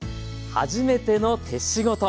「はじめての手仕事」。